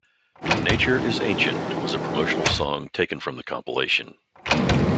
"Nature Is Ancient" was a promotional song taken from the compilation.